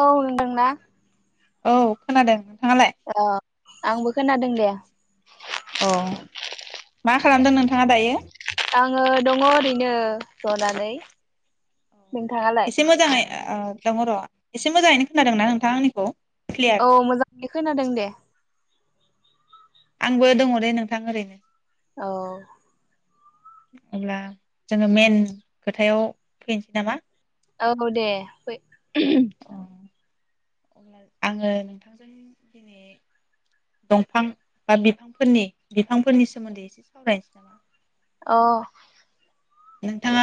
औ होनदोंना। औ खोनादों। नोंथाङालाय औ आंबो खोनादों। दे। औ मा खालामदों नोंथाङा दायो? आङो दङ' ओरैनो जनानै। नोंथाङालाय एसे मोजांयै ओ। दङ' र' एसे मोजाङैनो खोनादोंना नोंथाङा आंनिखौ। क्लियार औ मोजाङै खोनादों दे। आंबो दङ' दे नोंथां ओरैनो। औ। अब्ला जोङो मेन खोथायाव फैनोसै नामा? औ दे फै। [unintelligible] अ अब्ला आङो नोंथांजों दिनै दंफां बा बिफांफोरनि बिफांफोरनि सोमोन्दै एसे सावरायनोसै नामा? अ। नोंथाङा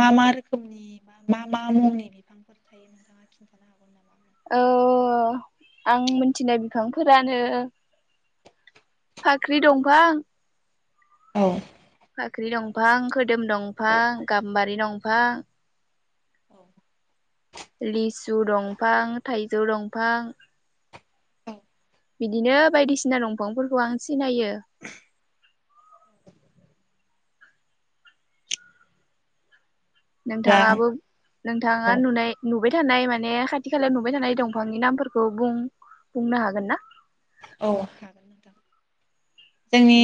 मा मा रोखोमनि बा मा मा मुंनि बिफांफोर थायो नोंथाङा खिन्थानो हागोन नामा? औ आं मोनथिनाय बिफांफोरानो फाख्रि दंफां औ। फाख्रि दंफां, खोदोम दंफां, गाम्बारि दंफां औ लिसु दंफां थाइजौ दंफां औ बिदिनो बायदिसिना दंफांफोरखौ आं सिनायो। अब्ला नोंथाङाबो नोंथाङा औ नुनाय नुबाय थानाय माने खाथि खालायाव नुबाय थानाय दंफांनि नामफोरखौ बुं-बुंनो हागोन ना? औ हागोन नोंथां जोंनि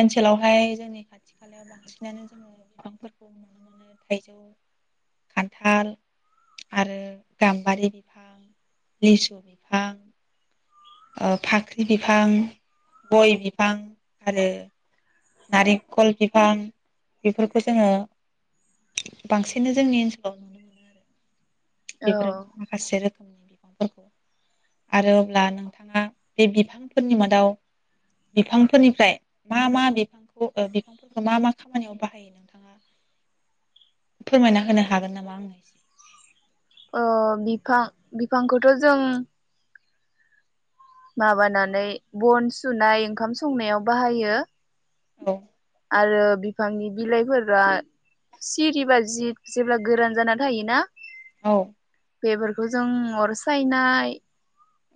ओनसोलाव ओमफ्राय जोंनि खाथि खालायाव बांसिनानो जोङो बिफांफोरखौ नुनो मोनो थाइजौ खान्थाल आरो गाम्बारि बिफां लिसु बिफां ओ फाख्रि बिफां गय बिफां आरो नारेंखल बिफां बेफोरखौ जोङो बांसिनै जोंनि ओनसोलाव नुनो मोनो आरो औ बेफोर माखासे रो [unintelligible] आरो अब्ला नोंथाङा बे बिफांफोरनि मादाव बिफांफोरनिफ्राय मा मा बि [unintelligible] बिफां बिफांफोरखौ मा मा खामानियाव बाहायो नोंथाङा फोरमायना होनो हागोन नामा आंनो एसे अ बिफां बिफांखौथ' जों माबानानै बन सुनाय ओंखाम संनायाव बाहायो। औ आरो बिफांनि बिलाइफोरा सिरिबा जि जेब्ला गोरान जाना थायोना। औ बेफोरखौ जों अर सायनाय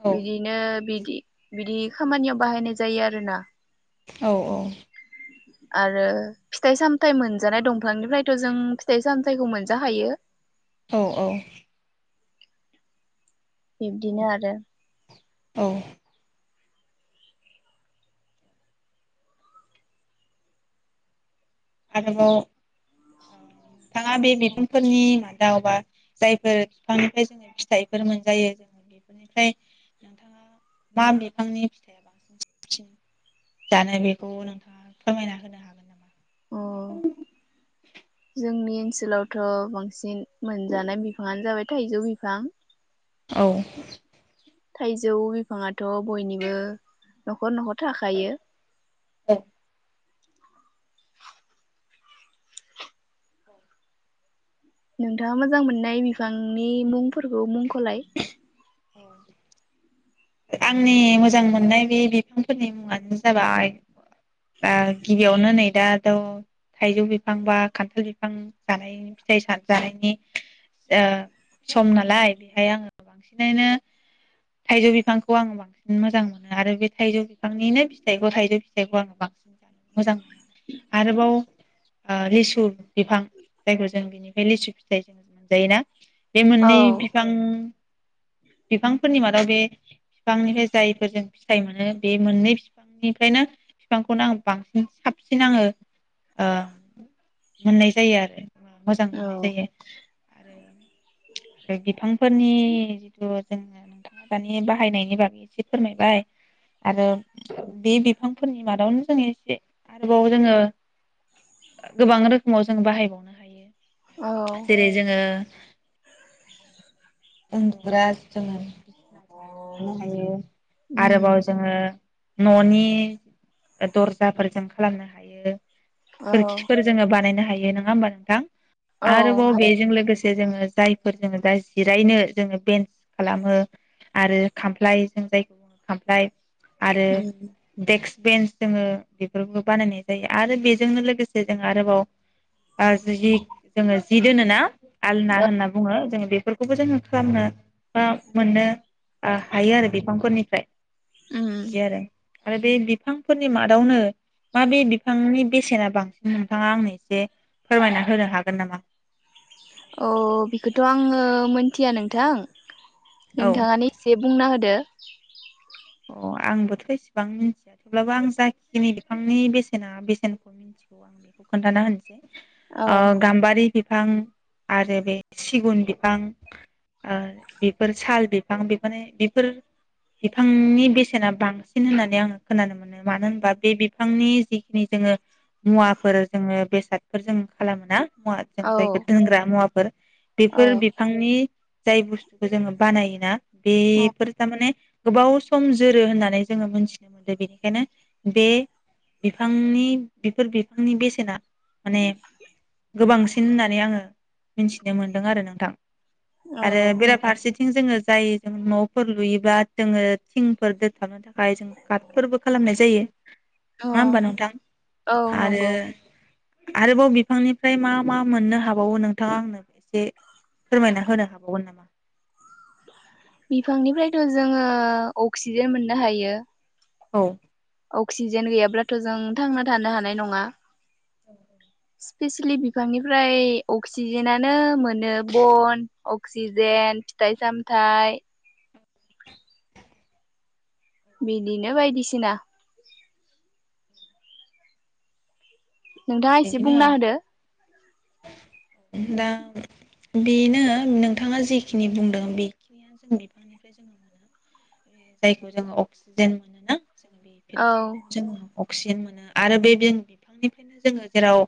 औ बिदिनो बिदि बिदि खामानियाव बाहायनाय जायो आरोना। औ औ। आरो फिथाइ सामथाय मोनजानाय दंफांनिफ्रायथ' जों फिथाइ सामथायखौ मोनजा खायो। औ औ। बिब्दिनो आरो औ। आरोबाव नोंथाङा बे बिफांफोरनि मादाव बा जायफोर बिफांनिफ्राय जोङो फिथाइफोर मोनजायो जोङो बेफोरनिफ्राय नोंथाङा मा बिफांनि फिथाइया बांसिन साबसिन जानो बेखौ नोंथाङा फोरमायना होनो हागोन नामा? अ जोंनि ओनसोलावथ' बांसिन मोनजानाय बिफाङानो जाबाय थाइजौ बिफां। औ थाइजौ बिफाङा थ' बयनिबो न'खर न'खर थाखायो। औ नोंथाङा मोजां मोननाय बिफांनि मुंफोरखौ मुंख'लाय। आंनि मोजां मोननाय बे बिफांफोरनि मुङानो जाबाय दा गिबियावनो नै दाथ' थाइजौ बिफां बा खान्थाल बिफां जानायनि फिथाइ सा जानायनि ओ सम नालाय। बेहाय आङो बांसिनैनो थाइजौ बिफांखौ आङो बांसिन मोजां मोनो आरो बे थाइजौ बिफांनिनो फिथाइखौ थाइजौ फिथाइखौ आङो बांसिन जानो मोजां मोनो आरोबाव लिसु बिफां जायखौ जों बिनिफ्राय लिसु फिथाइ जों मोनजायोना। बे औ मोनै बिफांफोरनि मादाव बे फिफांनिफ्राय जायफोर जों फिथाइ मोनो बे मोननै फिफांनिफ्रायनो बिफांखौनो आं बांसिन साबसिन आङो ओ मोननाय जायो आरो मोजां औ मोननाय जायो आरो बे बिफांफोरनि जिथु जेनबा नोंथाङा दानि बाहायनायनि बागै एसे फोरमायबाय आरो बे बिफांफोरनि मादावनो जों एसे आरोबाव जोङो गोबां रोखोमाव जों बाहायबावनो हायो। औ जेरै जोङो उन्दुग्रा जों खालामनो हायो आरोबाव जोङो न'नि दर्जाफोर जों खालामनो हायो। खोरखिफोर जोङो बानायनो हा हायो नङा होमबा नोंथां? औ आरोबाव हायो बेजों लोगोसे जोङो जायफोर जोङो दा जिरायनो जोङो बेन्स खालामो आरो खामफ्लाय जों जायखौ खामफ्लाय आरो देक्स बेन्स जोङो बेफोरखोबो बानायनाय जायो आरो बेजोंनो लोगोसे जों आरोबाव ओ जि जोङो जि दोनोना? आलना होनना बुङो जोंङो बे बेफोरखौबो जोङो खालामनो बा मोननो ओ हायो आरो बेफ फोरनिफ्राय। बिदि आरो आरो बे बिफां फोरनि मादावनो माबे बिफांनि बेसेना बांसिन नोंथाङा आंनो एसे फोरमायना होनो हागोन नामा? औ बेखौथ' आङो मोनथिया नोंथां। औ नोंथाङानो एसे बुंना होदो [inaudible] अ आंबोथ' एसेबां मिथिया थेवब्लाबो आं जाखिनि बिफांनि बेसेना बेसेनखौ मिथिगौ आं बेखौ खोन्थाना होनोसै औ ओ गाम्बारि बिफां आरो बे सिगुन बिफां ओ बेफोर साल बिफां बि माने बेफोर बिफांनि बेसेना बांसिन होननानै आङो खोनानो मोनो मानो होनबा बे बिफांनि जिखिनि जोङो मुवाफोर जोङो बेसादफोर जों खालामोना मुवा जों औ जायखो दोनग्रा मुवाफोर औ बेफोर बिफांनि जाय बुस्थुखौ जोङो बानायोना औ बेफोर था माने गोबाव सम जोरो होननानै जोङो मोनथि दों बेनिखायनो बे बिफांनि बेफोर बिफांनि बेसेना माने गोबांसिन होननानै आङो मिथिनो मोनदों आरो नोंथां आरो बेराफारसे थिं जोङो जाय जों न'फोर लुयोबा जोङो थिंफोर दोनथाबनो थाखाय जों कारटफोरबो खालामनाय जायो औ नङा होमबा नोंथां औ आरो नंगौ आरोबाव बिफांनिफ्राय मा मा मोननो हाबावो नोंथाङा आंनो एसे फोरमायना होनो हाबावगोन नामा? बिफांनिफ्रायथ' जोङो अक्सिजेन मोननो हायो। औ अक्सिजेन गैयाब्लाथ' जों थांना थानो हानाय नङा। औ स्पिसेेलि बिफांनिफ्राय अक्सिजेनानो मोनो बन अक्सिजेन फिथाइ सामथाइ बिदिनो बायदिसिना नोंथाङा एसे बिदिनो बुंना आरो होदो दा बेनो नोंथाङा जेखिनि बुंदों [unintelligible] जायखौ जों अक्सिजेन मोनोना औ जोङो अक्सिजेन मोनो। आरो बे [unintelligible] जोङो जेराव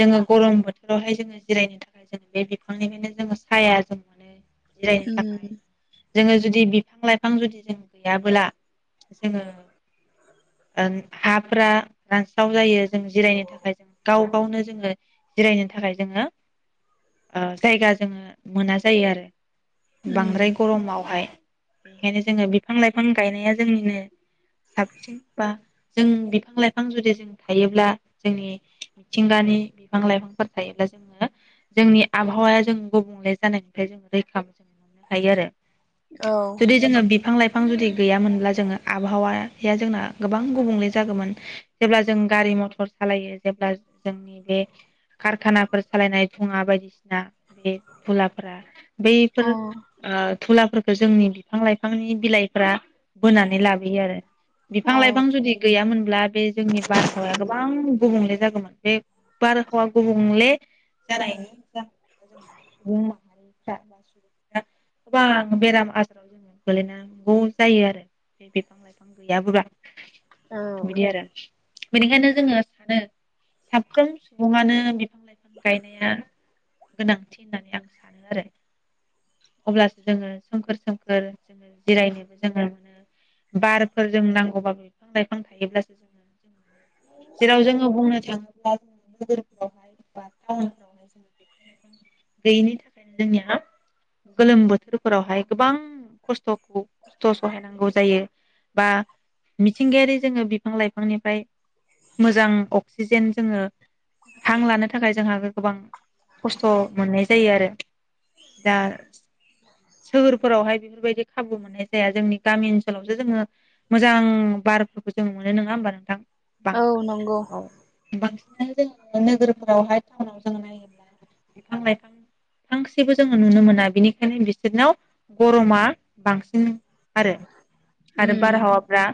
जोङो गरम बो थोरावहाय जोङो जिरायनो थाखाय जोङो बे बिफांनिफ्रायनो जोङो साया जों मोनो जिरायनो थाखाय उम जोङो जुदि बिफां लाइफां जुदि जों गैयाब्ला जोङो ओ हाफोरा रानस्राव जायो। जों जिरायनो थाखाय जों गाव गावनो जोङो जिरायनो थाखाय जोङो ओ जायगा जोङो मोना जायो आरो। उम बांद्राय गरमावहाय बेनिखायनो जोङो बिफां लाइफां गायनाया जोंनिनो साबसिन बा जों बिफां लाइफां जुदि जों थायोब्ला जोंनि मिथिंगानि बिफां लाइफां फोर थायोब्ला जोङो जोंनि आबहावाया जों गुबुंले जानायनिफ्राय जोङो रैखा जों मोननो हायो आरो। औ जुदि जोङो बिफां लाइफां बिफां जुदि गैयामोनब्ला जोङो आबहावाया जोंना गोबां गुबुंले जागौमोन जेब्ला जों गारि मथर सालायो जेब्ला जोंनि बे कारखानाफोर सालायनाय धुङा बायदिसिना बे धुलाफोरा बैफोर औ ओ धुलाफोरफोरखौ जोंनि बिफां लाइफांनि बिलाइफ्रा बोनानै लाबोयो आरो बिफां औ लाइफां जुदि गैयामोन ब्लाड बे जोंनि बारहावाया गोबां गुबुंले जाग गोमोन बे बारहावा गुबुंले जानायनि जाहोन ज सुबुं माह फ्रा बा सुबुफ्रा गोबां बेराम आजाराव जोङो गोलैनांगौ जायो आरो बे बिफां लाइफां गैयाबोबा औ बिदि आरो बेनिखायनो जोङो सानो साफ्रोम सुबुङानो बिफां लाइफां गायनाया गोनांथि होननानै आं सानो आरो अब्लासो जोङो सोमखोर सोमखोर जोङो जिरायनोबो जोङो मोनो बारफोर जों नांगौबाबो बिफां लाइफां थायोब्लासो जोङो जों मोनो। जेराव जोङो बुंनो थाङो [unintelligible] उनावहाय बा टाउनावहाय बिफां लाइफां गैयिनि थाखायनो जोंनिया गोलोम बोथोरफोरावहाय गोबां खस्थ'खौ खस्थ' सहायनांगौ जायो बा मिथिंगायारि जोङो बिफां लाइफांनिफ्राय मोजां अक्सिजेन जोङो हां लानो थाखाय जोंहा गोबां खस्थ' मोननाय जायो आरो दा सोहोरफोरावहाय बेफोरबायदि खाबु मोननाय जाया जोंनि गामि ओनसोलावसो जोङो मोजां बारफोरखौ जो मोनो नङा होमबा नोंथां बां औ नंगौ औ बां बिदिनो जोङो नोगोरफोरावहाय टाउनाव जो नायोब्ला बिफां लाइफां फफांसेबो जोङो नुनो मोना बिनिखायनो बि बिसोरनाव गरमा बांसिन आरो आरो उम बारहावाफ्रा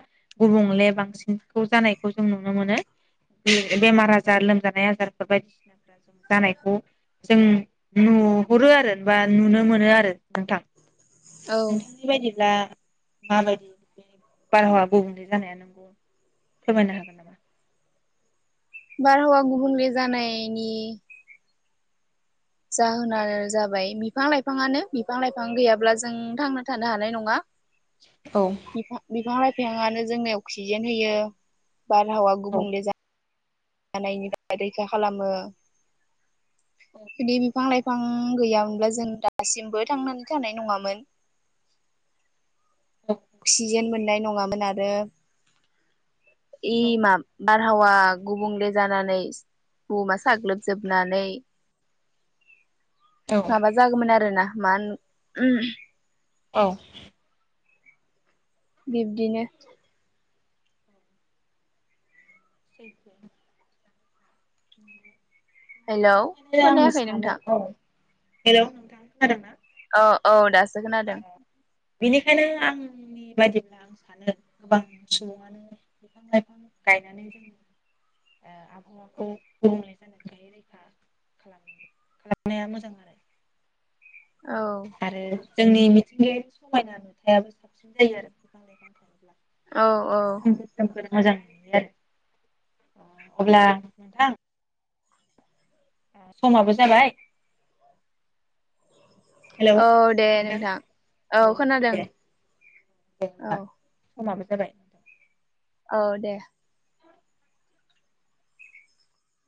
गुबुंले बांसिन खौ जानायखौ जों नुनो मोनो बे बेमार आजार लोमजानाय आजारफोर बायदिसिनाफोरा जों जानायखौ जों नुहरो आरो बा नुनो मोनो आरो नोंथां औ नोंथांनि बायदिब्ला माबायदि बारहावा गुबुंले जानाया नंगौ फोरमायनो हागोन नामा बारहावा गुबुंले जानायनि जाहोनानो जाबाय बिफां लाइफाङानो बिफां लाइफां गैयाब्ला जों थांना थानो हानाय नङा औ बिफा बिफां लाइ बिफाङानो जोंनो अक्सिजेन होयो बारहावा गुबुंले जा जानायनि बागै रैखा खालामो बि बिफां लाइफां गैयामोनब्ला जों दासिमबो थांनानै थानाय नङामोन औ अक्सिजेन मोननाय नङामोन आरो यै माब बारहावा गुबुंले जानानै बुहुमाव सागलोब जोब नानै माबा जागौमोन आरोना मानो उम औ दिबदिनो सैथो [inaudible] हेलौ बेनिखायनो आं खोनायाखै सानो नोंथां औ। हेलौ नोंथां खोनादों ना? ओ औ दा सो खोनादों। बेनिखायनो आंनि बायदिब्ला आं सानो गोबां सुबुङानो बिफां लाइफां गायनानै जोंनि ओ आबहावाखौ गुबुंले जानायखाय रैखा खालाम खालामनाया मोजां आरो। औ आरो जोंनि मिथिंगायारि समायना नुथायाबो साबसिन जायो आरो बिफां लाइफां थायोब्ला। औ औ सोमखोर सोमखोर मोजां नुयो आरो अब्ला नोंथां। समाबो जाबाय। औ दे नोंथां औ खोनादों दे औ। होमबा समाबो जाबाय। औ दे।